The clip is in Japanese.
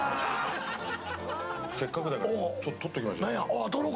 せっかくだから撮っときましょうよ。